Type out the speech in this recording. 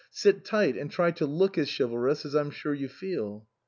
" Sit tight, and try to look as chivalrous as I'm sure you feel."